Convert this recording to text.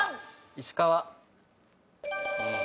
石川。